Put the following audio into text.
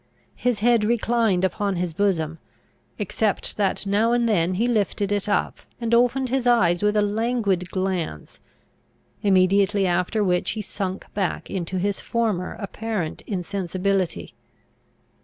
His head reclined upon his bosom, except that now and then he lifted it up, and opened his eyes with a languid glance; immediately after which he sunk back into his former apparent insensibility.